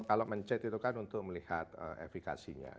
kalau mencet itu kan untuk melihat efikasinya